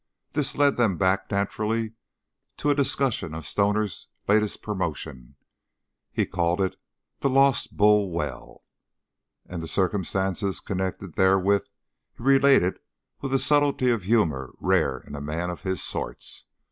This led them back naturally to a discussion of Stoner's latest promotion; he called it the Lost Bull well, and the circumstances connected therewith he related with a subtlety of humor rare in a man of his sorts.